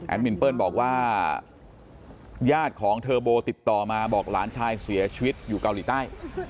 มินเปิ้ลบอกว่าญาติของเทอร์โบติดต่อมาบอกหลานชายเสียชีวิตอยู่เกาหลีใต้